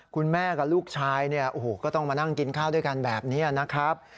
คุณแม่กับลูกชายเนี่ยโอ้โหก็ต้องมานั่งกินข้าวด้วยกันแบบนี้นะครับ